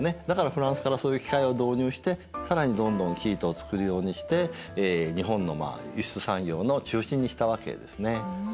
だからフランスからそういう機械を導入して更にどんどん生糸をつくるようにして日本の輸出産業の中心にしたわけですね。